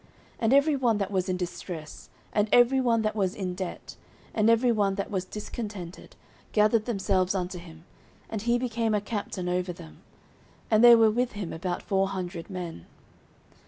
09:022:002 And every one that was in distress, and every one that was in debt, and every one that was discontented, gathered themselves unto him; and he became a captain over them: and there were with him about four hundred men.